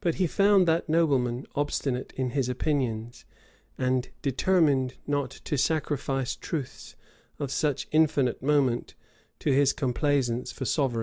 But he found that nobleman obstinate in his opinions, and determined not to sacrifice truths of such infinite moment to his complaisance for sovereigns.